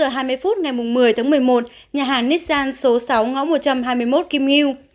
một mươi bốn h hai mươi phút ngày một mươi tháng một mươi một nhà hàng nissan số sáu ngõ một trăm hai mươi một kim nghiu